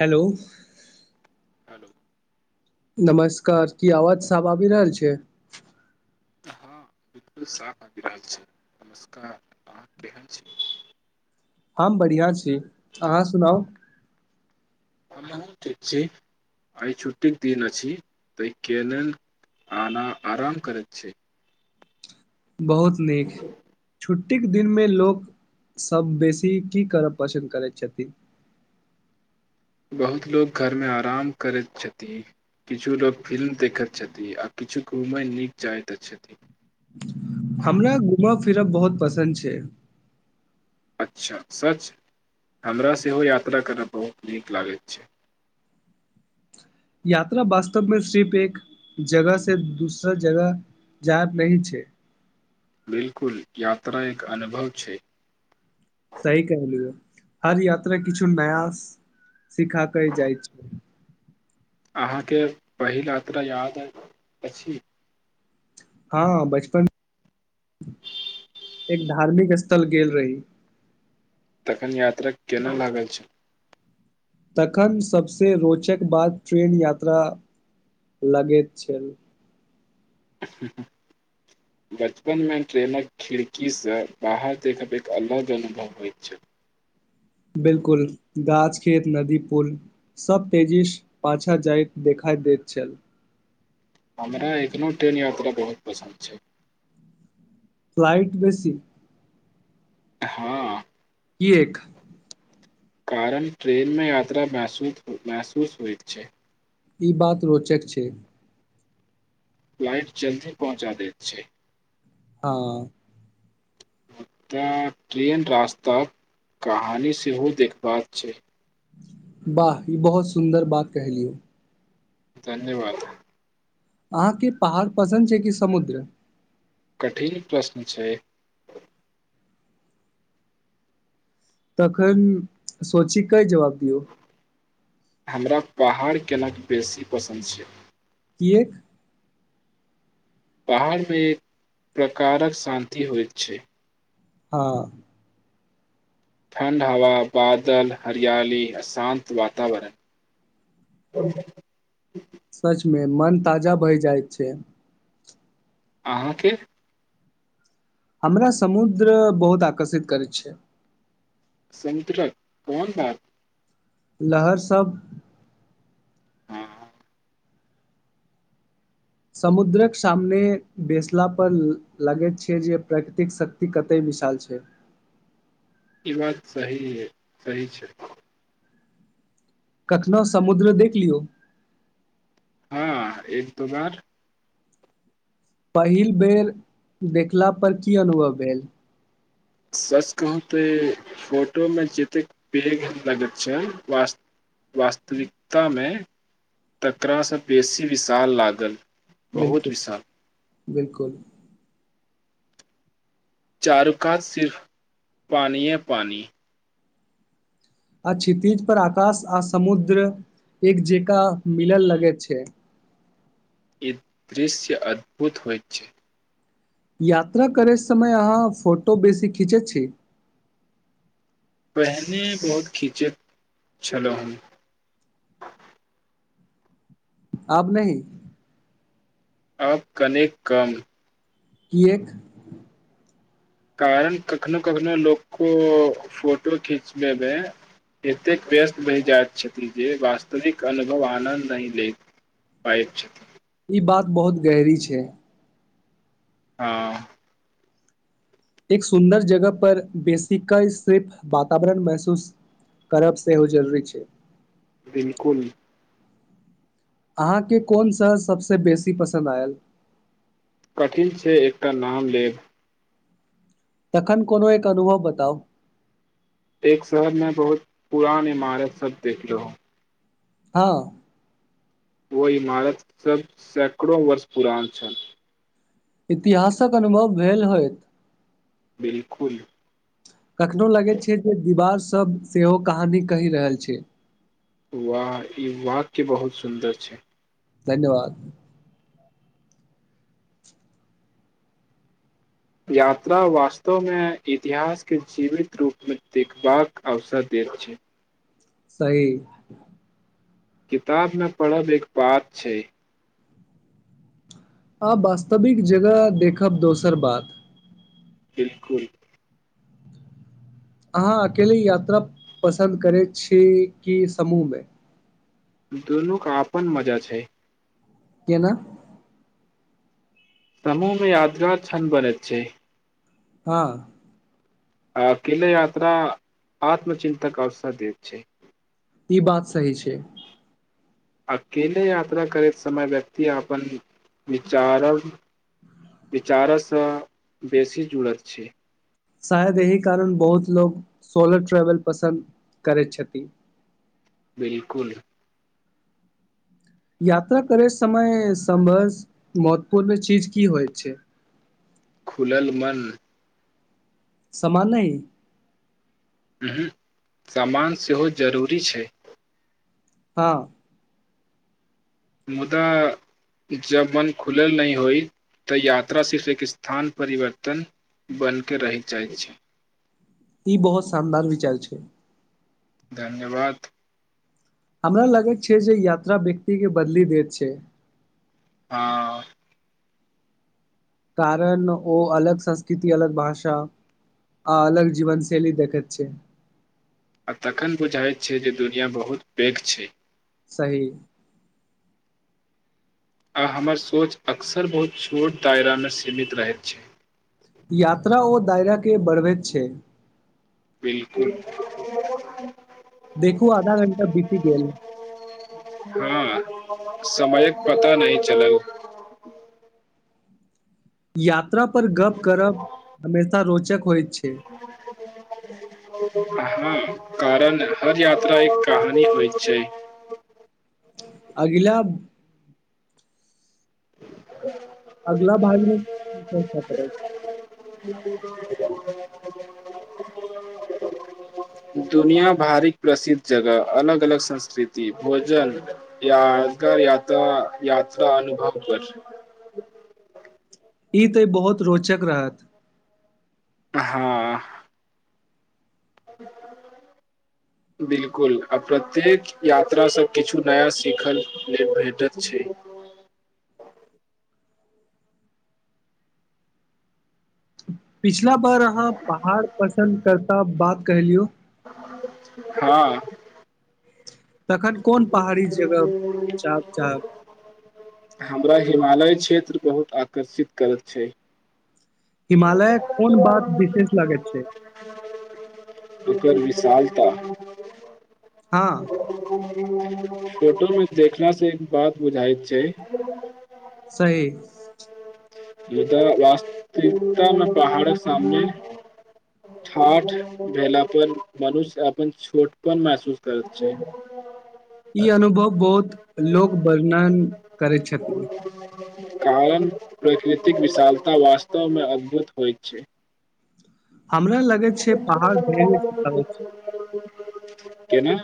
हलो hello नमस्कार की आवाज साब आबि रहल छै हँ बिल्कुल साफ अबी रहल छै नमस्कार आहाॅ केहेन छी हम बढ़िआँ छी अहाँ सुनाउ हमहुँ ठीक छी आइ छुट्टीक के दिन अछि तई के लेल आना आराम करैत छै बहुत नीक छुट्टी छुट्टी के दिन मे लोक सब बेसी की करब पसन्द करैत छथिन बहुत लोको घरमे आराम करैत छथिन किछु लोक फिल्म देखैत छथिन आ किछु घूमय नीक जाइत छथिन हमरा घुमा फिरब बहुत पसन्द छै अच्छा सच हमरा सेहो यात्रा करय बहुत नीक लागैत छै यात्रा वास्तवमे सिर्फ एक जगह से दूसरा जगह जाब नहि छै बिलकुल याात्रा एक अनुभव छै सही कहलियै हर यात्रा किछु नया सिखा क जाइ छै अहाँके पहिल यात्रा याद अछि हँ बचपन एक धार्मिक स्थल गेल रही तखन यात्रा केना लागल छै तखन सभसँ रोचक बात ट्रेन यात्रा लगैत छल बचपन मे ट्रेनक खिड़की सँ बाहर देखब एक अलग अनुभव होइत छल बिलकुल गाछ खेत नदी पुल सब तेजीस पाछा जाइत देखा दैत छल हमरा एखनो ट्रेन यात्रा बहुत पसन्द छै फ्लाइट बेसी हँ एक कारण ट्रेन मे यात्रा मसू महसूस होइत छै ई बात रोचक छै फ्लाइट जल्दी पहुँचा देत छैे हँ मुदा ट्रेन रास्ताक कहानी सेहो देखबाक छै वाह ई बहुत सुंन्दर बात कह लियौ धन्यवाद अहाँके पहाड़ पसन्द छै कि समुद्र कठिन प्रश्न छै तखन सोची क जवाब दियौ हमरा पहाड़ केनक बेसी पसन्द छै कियक पहाड़मे एक प्रकारक शान्ति होइत छै हँ ठंड हवा बादल हरियली अ शान्त वातावरण सचमे मन ताजा भहि जाइत छै अहाँके हमरा समुद्र बहुत आकर्षित करैत छै संत्रक कोन बा लहरसभ हँ समुद्रक सामने बेसला पर लागेछै जे प्राकृतिक शक्ति कतय विशाल छै ई बात सही अय सही छै कखनोहु समुद्र देख लियौ हँ एक तो बार पहिल बेर देखलापर की अनुभव भेल सच कहू ते फोटोमे जतेक पैघ लगैत छै वास वास्तविकतामे तकररासँ बेसी विशाल लागल बहुत बिलकुल विशाल बिलकुल चारु कात सिर्फ पानिये पानि आ छितीज पर आकाश आ समुद्र एक जेका मिलल लगे छै ई दृश्य अद्भुत होइत छै यात्रा करय समय अहाँ फोटो बेसी खीचै छी पहने बहुत खिचैत छलहु आब नहि आब कने कम किएक कारण कखनो कखनो लोको फोटो खिचबैमे एतेक व्यस्त बहि जाइत छथि जे वास्तविक अनुभव आनन्द नहि ले पाबैत छथिन ई बात बहुत गहरी छै हँ एक सुन्दर जगह पर बेसिका सिर्फ वातावरण महसूस करब सेहो जरूरी छै बिलकुल अहाँके कोन शहर सभसँ बेसी पसन्द आयल कठिन छै एकटा नाम लेब तखन कोनो एक अनुभव बताउ एक शहरमें बहुत पुरान इमारत सब देखलौह हँ ओ इमारत सब सैकड़ो वर्ष पुरान छल इतिहासक अनुभव भेल होइत बिलकुल कखनो लगैत छै जे दिवारस सभ सेहो कहानी कहि रहल छय वाह ई वाक्य बहुत सुन्दर छै धन्यवाद यात्रा वास्तवमे इतिहासके जीवित रूपमे देखबाक अवसर देत छै सही किताब न पढ़ब एक बात छै आब वास्तविक जगह देखब दोसर बात बिलकुल अहाँ अकेले यात्रा पसन्द करैत छी कि समूहमे दुनूका अपन मजा छै केना समूह में यादगार छन बनत छै हँ आ अकेले यात्रा आत्मचिन्तक अवसर देत छै ई बात सही छै अकेले यात्रा करैत समय व्यक्ति अपन विचार विचारसँ बेसी जुड़त छै शायद एहि कारण बहुत लोक सोलर ट्रैवल पसन्द करैत छथि बिलकुल यात्रा करे समय सम्भस महत्वपूर्ण चीज की होइत छै खुलल मन समान नहि ह सामान सेहो जरूरी छै हँ मुदा जब मन खुलल नहि होइत त यात्रा सिर्फ एक स्थान परिवर्तन बन क रहित जाइत छै ई बहुत शानदार विचार छै धन्यवाद हमरा लगैत छै जे यात्रा व्यक्तिे के बदली देत छै हँ कारण ओ अलग संस्कृति अलग भाषा आ अलग जीवनशैली देखैत छै आ तखन बुझाइत छै जे दुनिआ बहुत पैघ छै सही आ हमर सोच अक्सर बहुत छोट दायरामे सीमित रहैत छै यात्रा ओ दायरा के बढ़बैत छै बिलकुल देखू आधा घंटा बीति गेल हँ समयक पता नही चलल या पर गप करब हमेशा रोज चेक होइत छै [unintelligible] कारण हर यात्रा एक कहानी होइत छै अगिला [inaudible] अगला भइ ने [unintelligible] दुनिया भारिक प्रसिद्ध जगह अलग अलग संस्कृति भोजन यादगार या यात्रा अनुभव पर ई तऽ बहुत रोचक रहत हँ बिल्कुल आ प्रत्येक यात्रासँ किछु नया सीखल नहि भेटैत छै पिछि ला बार अहाँ पहाड़ पर पस करता बात कहलियौ हँ तखन कोन पहाड़ी जगह चाप चाप रा हिमालय क्षेत्र बहुत आकर्षित करैत छै हिमालय कोन बात विशेष लागैत छै [inaudible] ओकर विशालता हँ [inaudible] फोटोमें देखना से एक बात बुझाइत छै सही मुदा वास्तिकता मे पहाड़क सामने ठाठ भेला पर मनुष्य अपन छोटपन महसूस करैत छै ई अनुभव बहुत लोकवर्णन करैत छथिन कारण प्रकृतिक विशालता वास्तवमे अद्भुत होइत छै हमरा लगै छै पहाड़ परै छै केना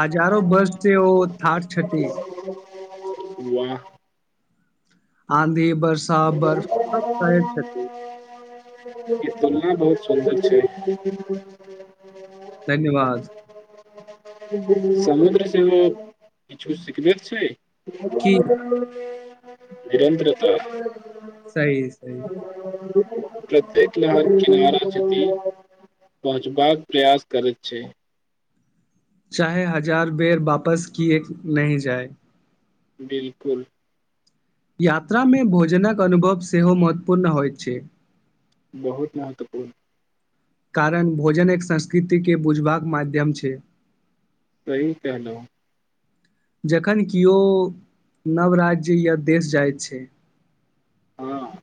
हजारो बस जे ओ थट छटी वाह आंधी ब बर्फ सब सहैछथिन ई तुलना बहुत सुन्दर छै धन्यवाद समुद्र सेहो किछु सिखनेे छै की निरन्द्रत सही सही प्रत्येक लहर किनारा जति पहुँचबाक प्रयास करैत छै चाहे हजार बेर वापस किए नहि जाय बिलकुल यात्रामे भोजनक अनुभव सेहो महत्वपूर्ण होइत छै बहुत महत्वपूर्ण कारण भोजन एक संस्कृतिके बुझबाक माध्यम छै सही कहलौं जखन किओ नव राज्य या देश जाइत छै हँ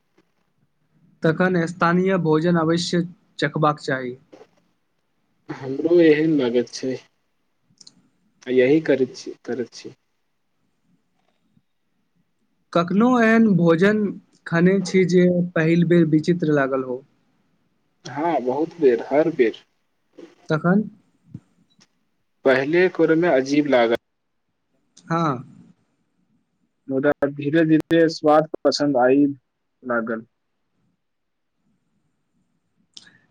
तखन स्थानीय भोजन अवश्य चखबाक चाही हमरो एहन लागत छै त यही करैत छी करैत छी कखनहु एहन भोजन खने छी जे पहिल बेर विचित्र लागल हो हँ बहुत बेर हर बेर तखन पहले कुरमे अजीब लागा हँ मुदा धीरे धीरे स्वाद पसन्द आय लागल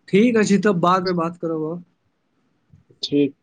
ठीक अछि तब बादमे बात करब हम ठीक